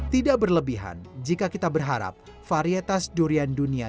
tidak berlebihan jika kita berharap varietas durian dunia